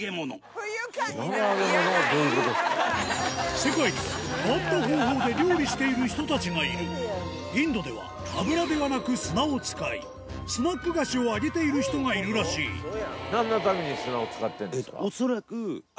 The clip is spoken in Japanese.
世界には変わった方法で料理している人たちがいるインドでは油ではなく砂を使いスナック菓子を揚げている人がいるらしいあぁ！